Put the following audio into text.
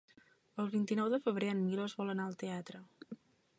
El vint-i-nou de febrer en Milos vol anar al teatre.